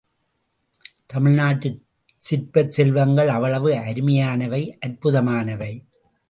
தமிழ்நாட்டுச் சிற்பச் செல்வங்கள் அவ்வளவு அருமையானவை, அற்புதமானவை.